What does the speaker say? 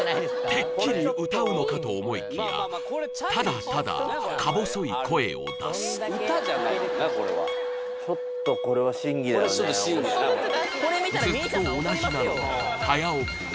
てっきり歌うのかと思いきやただただか細い声を出すちょっとこれちょっと審議だなずっと同じなので早送り